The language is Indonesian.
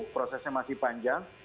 prosesnya masih panjang